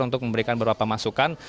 untuk memberikan beberapa masukan